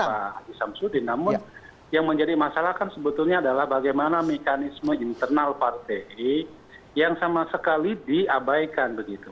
pak haji samsudin namun yang menjadi masalah kan sebetulnya adalah bagaimana mekanisme internal partai yang sama sekali diabaikan begitu